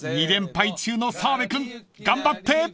［２連敗中の澤部君頑張って！］